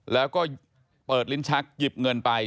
แล้วก็เปิดลิ้นชักหยิบเงินไป